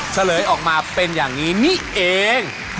เฉลยออกมาเป็นอย่างนี้นี่เอง